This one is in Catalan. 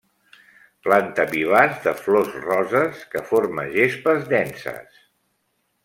Planta vivaç de flors roses, que forma gespes denses.